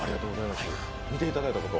見ていただいたこと？